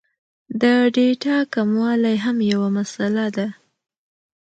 د ډېټا کموالی هم یو مسئله ده